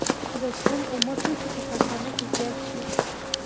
د سون اومه توکي په کارخانه کې زیات شي